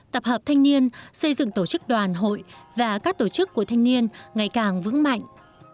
tập hợp thanh niên xây dựng tổ chức đoàn hội và các tổ chức của thanh niên ngày càng vững mạnh